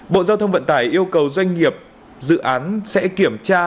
bộ giao thông vận tải yêu cầu doanh nghiệp dự án sẽ kiểm tra